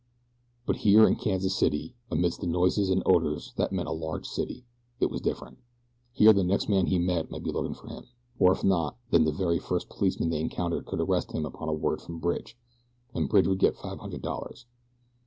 But here in Kansas City, amidst the noises and odors that meant a large city, it was different. Here the next man he met might be looking for him, or if not then the very first policeman they encountered could arrest him upon a word from Bridge and Bridge would get five hundred dollars.